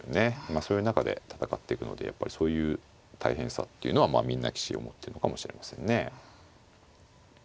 そういう中で戦っていくのでやっぱりそういう大変さっていうのはみんな棋士思ってるのかもしれませんね。